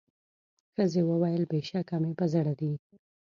ښځي وویل بېشکه مي په زړه دي